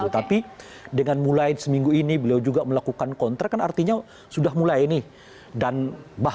tapi dengan mulai seminggu ini beliau juga melakukan kontrak kan artinya sudah mulai nih